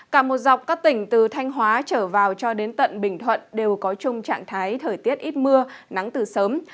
cả một dọc các tỉnh từ thanh hóa trở vào cho đến tận bình thuận đều có chung trạng thái thời tiết ít mưa nắng từ sớm